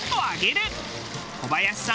小林さん